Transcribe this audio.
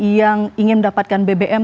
yang ingin mendapatkan bbm